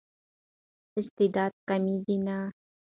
استعداد کمېږي نه.